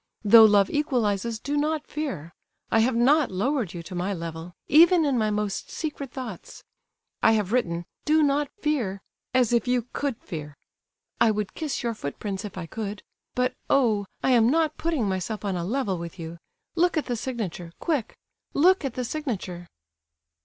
Though love equalizes, do not fear. I have not lowered you to my level, even in my most secret thoughts. I have written 'Do not fear,' as if you could fear. I would kiss your footprints if I could; but, oh! I am not putting myself on a level with you!—Look at the signature—quick, look at the signature!"